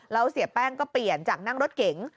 แล้วเสียแป้งก็เปลี่ยนจากนั่งรถเก๋ง